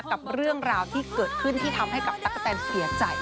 กับเรื่องราวที่เกิดขึ้นที่ทำให้กับตั๊กกะแตนเสียใจ